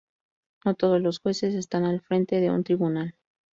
No todos los jueces están al frente de un tribunal.